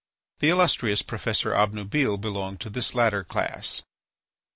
The illustrious Professor Obnubile belonged to this latter class.